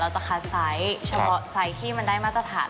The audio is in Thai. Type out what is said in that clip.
จะคัดไซส์เฉพาะไซส์ที่มันได้มาตรฐาน